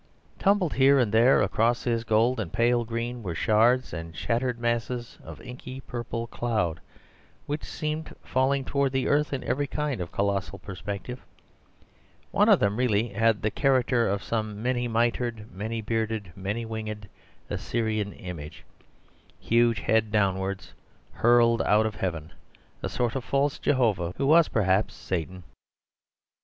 Tumbled here and there across this gold and pale green were shards and shattered masses of inky purple cloud, which seemed falling towards the earth in every kind of colossal perspective. One of them really had the character of some many mitred, many bearded, many winged Assyrian image, huge head downwards, hurled out of heaven—a sort of false Jehovah, who was perhaps Satan.